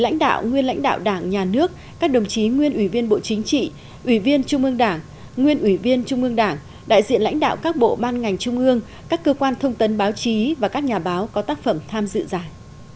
trung ương đảng nguyên ủy viên trung ương đảng đại diện lãnh đạo các bộ ban ngành trung ương các cơ quan thông tấn báo chí và các nhà báo có tác phẩm tham dự giải